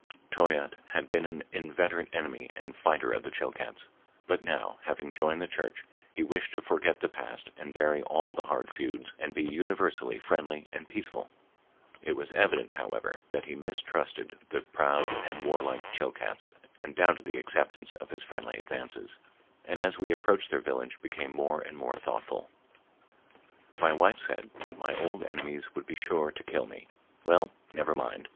Toyatte had been an inveterate enemy and fighter of the Chilcats, but now, having joined the church, he wished to forget the past and bury all the hard feuds and be universally friendly and peaceful. It was evident, however, that he mistrusted the proud and warlike Chilcats and doubted the acceptance of his friendly advances, and as we approached their village became more and more thoughtful. "My wife said that my old enemies would be sure to kill me. Well, never mind.